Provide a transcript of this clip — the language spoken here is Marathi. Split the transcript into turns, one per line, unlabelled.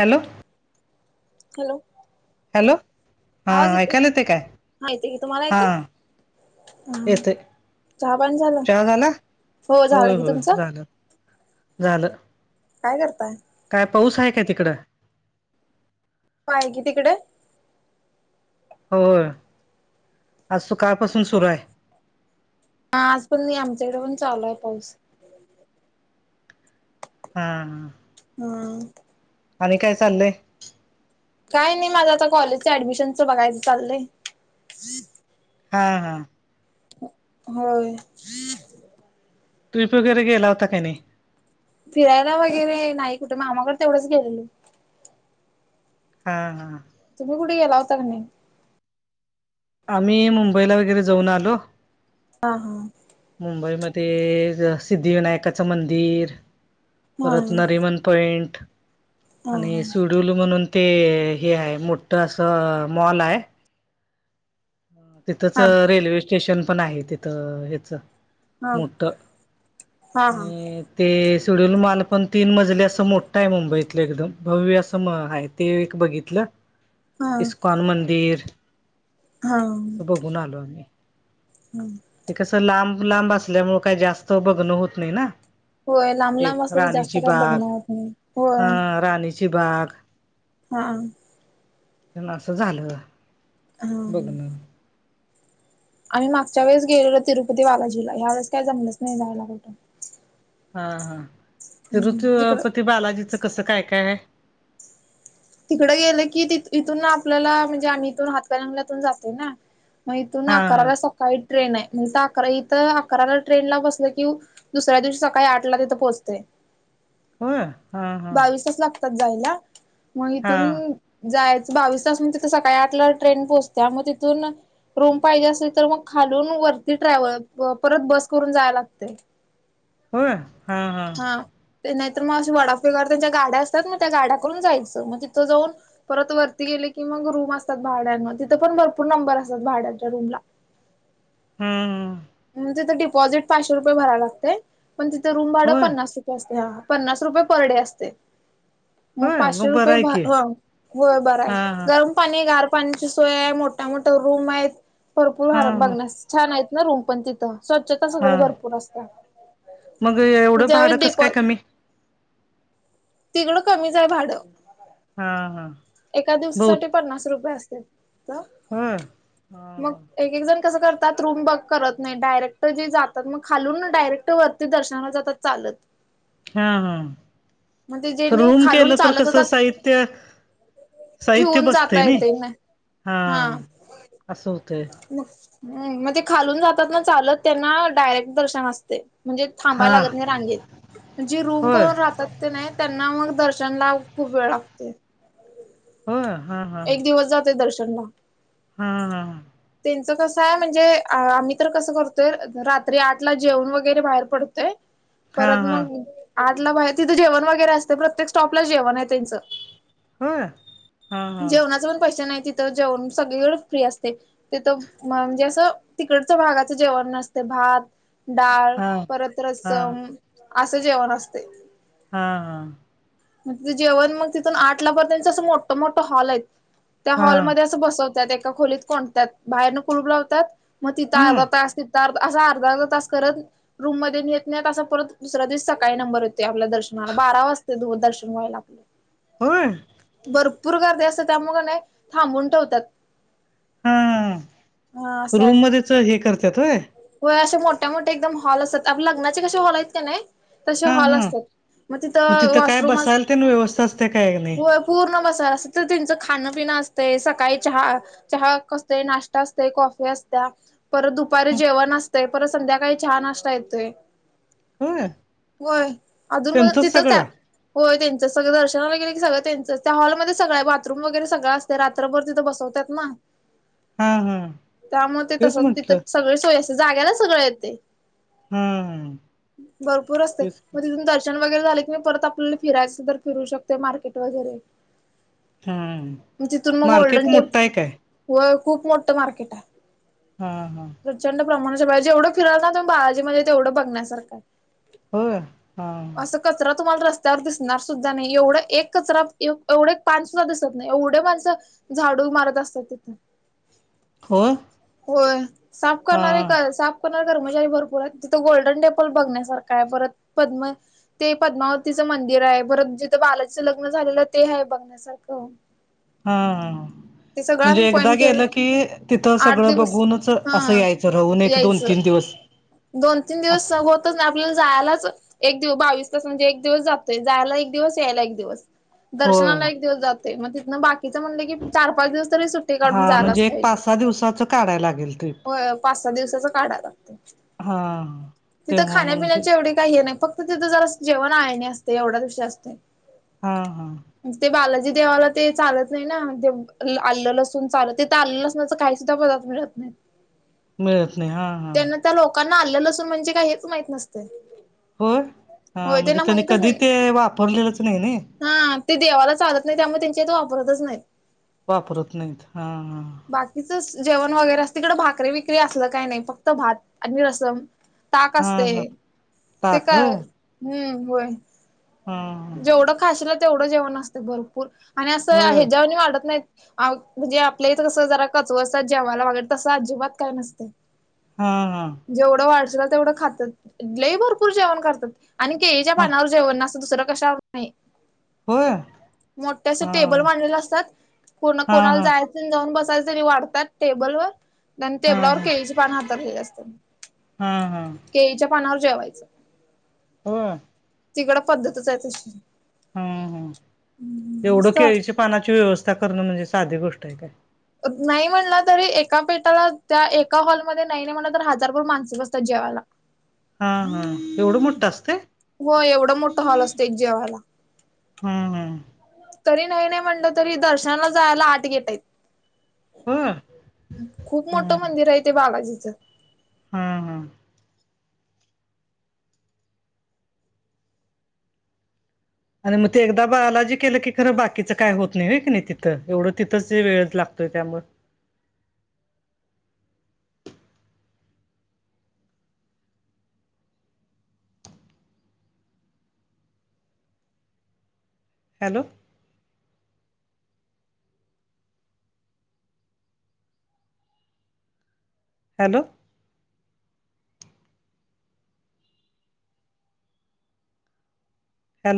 हॅलो
हॅलो
हॅलो हा
आवाज येतोय
ऐकायला येत काय
हा येते की तुम्हाला
हा
येते ह
येत
चहा पाणी झालं
चहा झाला
हो झालं
होय
की
होय
तुमचं
झालं झालं
काय करताय
काय पाऊस आहे काय तिकडं
आहे की तिकडे
हो आज त कापासून सुरू आहे
हा आज पण नाही आमच्याकडे पण चालू आहे पाऊस
हम्
हम्म
आणि काय चाललंय
काय नाही माझं आता कॉलेजच्या ऍडमिशनचं बघायचं चाललंय
हा हा
होय
ट्रप वगैरेला होता काय नाही
फिरायला वगैरे नाही कुठे मग मामाकडे तेवढंच गेलेले
हा हा
तुम्ही कुठेला होता का नाही
आम्ही मुंबईला वगैरे जाऊन आलो
हा हा
मुंबईमध्ये सिद्धिविनायकाचं मंदिर
हा
परत नरमन पॉइंट
हा
आणि सूट डुलू म्हणून ते हे आहे मोठं असं मॉल आहे तिथंच
हा
रेल्वे स्टेशन पण आहे तिथं हच
हा
मोठ
हा
आणि ते सुडल माल पण तीन मजले असं मोठा आहे मुंबईतले एकदम भव्य असं आहेत ते एक बघितलं
ह
इस्कॉन मंदिर
हा
बणालो आ्ही
हम्म
ते कसं लांब लांब असल्यामुळे काही जास्त बघणं होत नाही ना
होय लांब
एक
लांब असलं की जास्त
राणीची
काय
बाग
बघणं होत नाही
हा
होय
राणीची बाग
हा
असं झालं
हा
बघण
आम्ही मागच्या वेळे गेलो तिरुपती बालाजीला या वेळेस काय जमलंच नाही जायला कुठं
हा हा
हम्म. तिकडं
तिरूचरपती बालाजीचं कसं काय काय आहे
तिकडें गेलं की इथून ना आपल्याला म्हणजे आम्ही इथून हातकलंगलेतून जाते ना मग इथून
हा हा
अकराला सकाळी ट्रेन आहे म्हण अकरा इथं अकराला ट्रेन ला बसलं कि दुसऱ्या दिवशी सकाळी आठ ला तिथं पोहोचते
होय हा हा
बावीस तास लागतात जायला मग
हा
इथून जायचं बावीस तास म तिथं सकाळी आठ ला ट्रेन पोचत्या मग तिथून रूम पाहिजे असेल तर मग खालून वरती ट्रॅव्हल परत बस करून जाय लागते
हो
हा ते नाहीतर मग वडापाच्या गाड्या असतात मग त्या गाड्याकडून जायचं मग तिथं जाऊन परत वरती गेले की मग रूम असतात भाड्यांन तिथं पण भरपूर नंबर असतात भाड्यांच्या रूमला
हम्म हमम
तिथं डिपॉझिट पाचशे रुपये भराय लागते पण तिथं रूम भाडं
होय
पन्नास रुपये हा पन्नास रुपये पर डे असते मग
होय
पाचशे
बरं
रुपये
आहे की
व बर
हा
आहे
हा
रम पाणी गार पाणीची सोय आहे मोठ्या मोठ्या रूम आहेत
हा
भरपूर
हा
बघण्यास छान आहेत ना रूम पण तिथं स्वच्छता
हा
सगळे भरपूर असतात
मग एवढं
ज्यावेळेस
भाडं कसं काय
डिपॉझ
कमी
तिकडं कमीच हाय भाडं
हा हा
एका
बहुत
दिवसासाठी पन्नास रुपये असते तर
होय हा
मग
हा
एक एक जण कसं करतात रूम वर्क करत नाही डायरेक्ट जे जातात मग खालून डायरेक्ट वरती दर्शनाला जातात चालत [inaudible]
हा हा
मग ते
खरं
जेणे
रूम
खालून
केलं तर
चालत
कसं
होतात
साहित्य साहित्य
ठेवून
बसते
जाता
ना
येते
हा असं होतंय
मग ते खालून जातात ना चालत त्यांना डायरेक्ट दर्शन असते म्हणजे थांबा
हा
लागत नाही रांगेतेत जे रूम
होय
करून राहतात ते नाही त्यांना मग दर्शन ला खूप वेळ लागते
होय हा
एक दिवस जाते दर्शनला
हम्म हम
त्यांच कस आहे म्हणजे आम्ही तर कसं करतोय रात्री आठ ला जेवण वगैरे बाहेर पडतोय
हा
परत
हा
मग आठला तिथे जेवण वगैरे असते प्रत्येक स्टॉपलाच जेवण आहे
होय हा हा
जेवणाच पण पैसे नाही तिथ जेवण सगळीक फ्री असत तेथ म्हणजे असं तिकडचं भागाचं जेवण नसते भात डाळ
हा हा
परत रसम असे जेवण असते
हा हा
तिं जेवण मग तिथून आठ ला पर्यंतच असं मोठ मोठ हॉल आहे त्या
हा
हॉलमध्येध्ये अस बसत एका खोलीत कोंडतात बाहेरन कुलूप लावतात मग तिथं
हम्म
अर्धा ता असा अर्धा अर्धा तास करत रूम मध्ये नेत नाही असं परत दुसऱ्या दिवशी सकाळी नंबर येतो आपल्या दर्शनाला बारा वाजते दू दर्शन व्हायला आपलं
होय
भरपूर गर्दी असत त्यामुळं का नाही थांबून ठेवतात
हा
हा
रूम मध्येच हे कर्त्यात होय
व अशे मोठ्या मोठे एकदम हॉल असतात आप लग्नाचे कसेे हॉल आहेत का नाही तसे
हा
हॉल
हा
असतात मग तिथं
काय
वॉशरूम
बसायला ते ना व्यवस्था असते काय नाही
पूर्ण मसाला असत तर त्यांचं खाणंपिणं असते सकाळी चहा चहा कसते नाश्ता असते कॉफी असत परत दुपारी जेवण असतं परत संध्याकाळी हा नाश्ता येतोय
होय
होय अजून मधून
त्यांचंच
तिथंच
सगळं
आहेत होय त्यांच सगळं दर्शनाला गेले की सगं त्यांच त्या हॉलमध्ये सगं आहे बाथरूम वगैरे सगळा ते रात्रभर तिथं बसवतात ना
हा हम
त्यामुळेग ते तसं तिथं सगळी सोयी जाग्याला सगळ येते
हा
भरपूर असते
तेच
मग तिथून द वगैरे झाले की नाही परतल्या फिरायच तर फिर शकते मार्केट वगरे
हा
म तिथून मग गोल्डन
मार्केट मोठं आहे काय
टेमप व खूप मोठं मार्केट आहे
हा हा
प्रचंड प्रमाणाच्या जेवढं फिराल ना तुम् बालाजी मध्ये तेवढं बघण्यासारखं
होय हा
असं कचरा तुम्हाला रस्त्यावर दिसणार सुद्धा नाही एवढा एक कचरा एवढे पानसद्धा दिसत नाही एवढे माणसं झाडू मारत असतात तिथं
हो
होय साफ
हा
करणार आहे का साफ कोणार कर्मचारी भरपूर आहेत तिथं गोल्डन टेम्पल बघण्यासारखा आहे परत पद्म ते पद्मावतीचं मंदिर आहे परत जिथं बालाचं लग्न झालेलं ते आहे बघण्यासारखं
हा
ते सगळं
म्हणजे
आम्ही
एकदा
पॉईंट केलं
गेलं की तिथं
आठ
सगळ
दिवस
बघूनच असं
हा
यायचं राहून एक दोन
यायचं.
तीन दिवस
दोन तीन
अस
दिवस सत आपल्याला जायलाच एक दिव बावीस तास म्हणजे एक दिवस जातोय जायला एक दिवस यायला एक दिवस
होय
दर्शनाला एक दिवस जातो मग तिथनं बाकीच म्हणले की चार पाच दिवस तरी सुट्टी काढून जायलाच पाहिजे
हा दिवसाचं काढाय लागेल ते
हो पाच सहा दिवसाच काढा लागते
हा
तिथं
तेव्हा म्हणजे
खाण्यापिण्याची एवढी काही हे नाही फक्त तिथं जरा जेवण आहे नाही असते एवढ्या दिवशी असते
हा हा
ते बालाजी देवाला ते चालत नाही ना आलेलं असून चालत ते तर आलेलं अस ना तर काही सुद्धा प रत नाही
मिळत नाही हा हा
त्या लोकांना आलेलं असून म्हणजे काय हेच माहत नसते
होय म्हणजे त्यानी कधी ते वापरलेलंच नाही ना
हा ते देवाला चालत नाही त्यामुळे त्यांच्या इथ वापरतच नाही
वापरत नाहीत हा
बाकीच जेवण वगैरे अस तिकड भाकरी विकरी असलं काही नाही फक्त भात आणि रसम ताक
हां
असते
हां
ते
ताक
का
होय
हम्म होय
हां हां
जेवढं खाशलं तेवढं जेवण असत भरपूर आणि असं
होय
हे च्या वाणी वाढत नाही. अ म्हणजे आपल्या इथं कसं जरा कचवतात जेवायला वागल तसं अजिबात काय नसते.
हा हा
जेवढं वाढचल तेवढं खातात लही भरपूर जेवण करतात. आणि केळीच्या
हां
पानावर जेवण ना असं दुसरं कशा नाही.
होय
मोठ्या अस
हां
टेबल
हां
बांधलेले असतात कोणा
हां
कोणाला
हां
जायच. जाऊन बसायला तरी वाढतात टेबल वर आणि टेबलावर केळीचे पान हातरलेले असतात.
हा हा
केळीच्या पानावर जेवायचं.
हो
तिकडं पद्धतच आहे तशी.
हा हा एवढं
मस्त
केळीच्या
वाटते.
पानाची व्यवस्था करणं म्हणजे साधी गोष्ट आहे काय.
नाही म्हणला तरी एका पेटाला त्या एका हॉलमध्ये नाही नाही म्हणला तर हजारभूर माणसं बसतात जेवायला.
हा हा एवढं मोठं असते.
हो एवढं मोठा हॉल असत एक जेव्हायला.
हां हां
तरी नाही नाही म्हटलं तरी दर्शनाला जायला आट गेट हाईत.
होय
खूप
हां
मोठं मंदिर आहे ते बालाजीचं.
हम् हम. आणि मग ते एकदा बालाजी केलं की खरं बाकीचं काय होत नाही आहे की नाही तिथं एवढं तिथंच वेळच लागतोय त्यामुळ. हॅलो. हॅलो. हॅलो